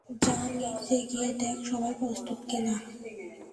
যা, নীচে গিয়ে দেখ সবাই প্রস্তুত কি-না।